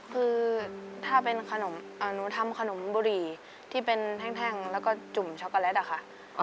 คือถ้าเป็นขนมหนูทำขนมบุหรี่ที่เป็นแท่งแล้วก็จุ่มช็อกโกแลตอะค่ะ